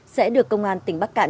sẽ được công an tỉnh bắc cạn